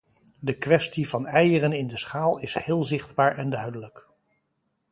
De kwestie van eieren in de schaal is heel zichtbaar en duidelijk.